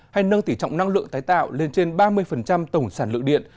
hay nâng tỉ trọng năng lượng tái tạo lên trên ba mươi tổng sản lượng điện